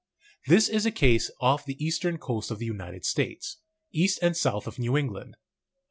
This is the case off the eastern coast of the United States, east and south of New England.